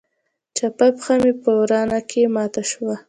چپه پښه مې په ورانه کښې ماته وه.